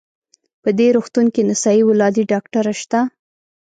په دې روغتون کې نسایي ولادي ډاکټره شته؟